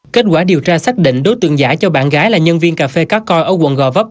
kết quả điều tra xác định đối tượng giả cho bạn gái là nhân viên cà phê cá coi ở quận gò vấp